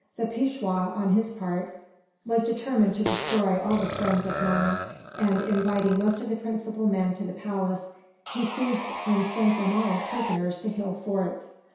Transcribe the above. The Peishwa, on his part, was determined to destroy all the friends of Nana and, inviting most of the principal men to the palace, he seized and sent them all, prisoners, to hill forts.